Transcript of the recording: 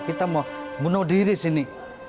kita mau bunuh diri sini